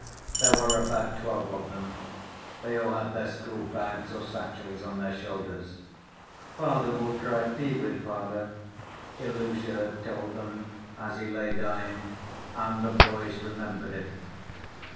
There were about twelve of them, they all had their school‐bags or satchels on their shoulders. "Father will cry, be with father," Ilusha had told them as he lay dying, and the boys remembered it.